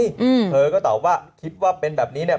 อืมเธอก็ตอบว่าคิดว่าเป็นแบบนี้เนี่ย